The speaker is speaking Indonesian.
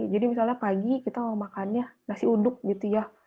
jadi misalnya pagi kita mau makannya nasi uduk gitu ya